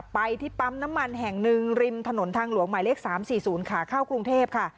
ไปที่ปั๊มน้ำมันแห่งหนึ่งริมถนนทางหลวงหมายเลข๓๔๐ขาเข้ากรุงเทพค่ะ